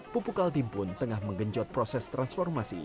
pupuk altim pun tengah menggenjot proses transformasi